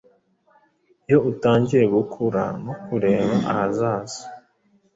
iyo utangiye gukura no kureba ahazaza